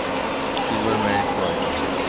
Silver married twice.